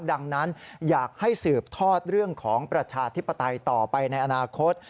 ดังนั้นอยากให้สืบทอดเรื่องของประชาธิปไตยต่อไปในอนาคต